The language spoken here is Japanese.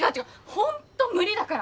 本当無理だから！